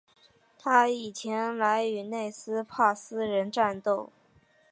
他已前来与内兹珀斯人战斗。